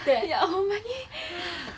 いやほんまに。